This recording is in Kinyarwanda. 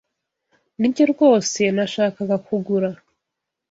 Nibyo rwose nashakaga kugura.